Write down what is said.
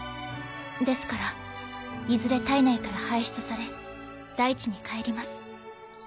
ですからいずれ体内から排出され大地に返ります。